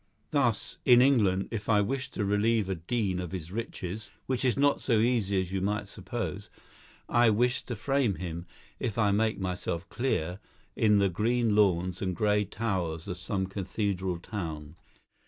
Thus, in England, if I wished to relieve a dean of his riches (which is not so easy as you might suppose), I wished to frame him, if I make myself clear, in the green lawns and grey towers of some cathedral town.